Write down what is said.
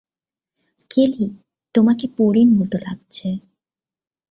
কেলি, তোমাকে পরীর মত লাগছে।